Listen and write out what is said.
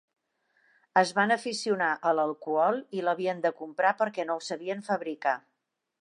Es van aficionar a l'alcohol i l'havien de comprar perquè no el sabien fabricar.